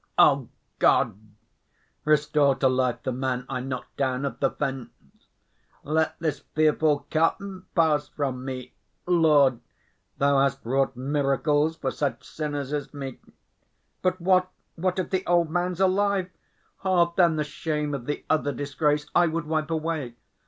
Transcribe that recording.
"O God! restore to life the man I knocked down at the fence! Let this fearful cup pass from me! Lord, thou hast wrought miracles for such sinners as me! But what, what if the old man's alive? Oh, then the shame of the other disgrace I would wipe away.